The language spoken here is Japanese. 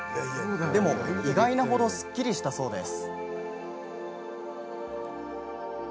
でも意外なほどすっきりしたそうです。